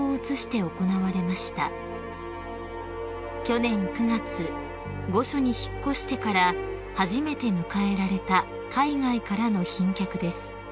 ［去年９月御所に引っ越してから初めて迎えられた海外からの賓客です］